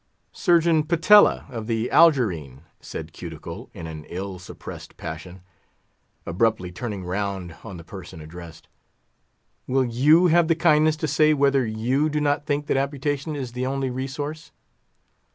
"Surgeon Patella, of the Algerine," said Cuticle, in an ill suppressed passion, abruptly turning round on the person addressed, "will you have the kindness to say whether you do not think that amputation is the only resource?"